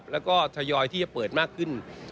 แล้วก็ทยอยที่จะเปิดมากขึ้น